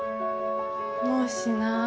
もうしない。